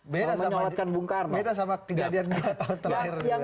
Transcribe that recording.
beda sama kejadian tahun terakhir